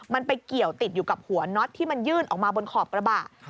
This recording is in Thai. มันไปเกี่ยวติดอยู่กับหัวน็อตที่มันยื่นออกมาบนขอบกระบะ